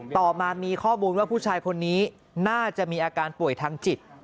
ต่อมามีข้อมูลว่าผู้ชายคนนี้น่าจะมีอาการป่วยทางจิต